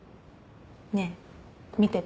ねえ見てて。